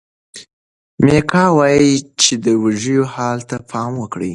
میکا وایي چې د وږیو حال ته پام کوي.